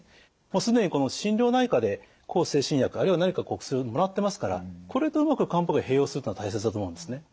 もう既に心療内科で向精神薬あるいは何か薬をもらってますからこれとうまく漢方薬を併用するというのが大切だと思うんですね。